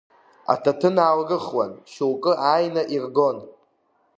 Аҭаҭын аалрыхуан, шьоук ааины иргон.